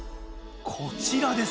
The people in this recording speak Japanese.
こちらです。